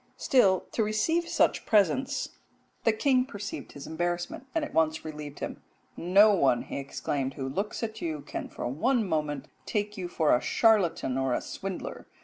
Still to receive such presents " The king perceived his embarrassment, and at once relieved him. "No one," he exclaimed, "who looks at you can for one moment take you for a charlatan or a swindler.